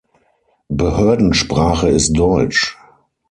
Behördensprache ist Deutsch.